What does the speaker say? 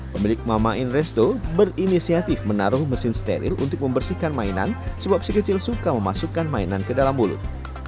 pemilik mama in resto berinisiatif menaruh mesin steril untuk membersihkan mainan sebab si kecil suka memasukkan mainan ke dalam mulut